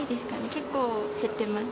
結構、減ってます。